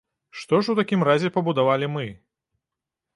Што ж у такім разе пабудавалі мы?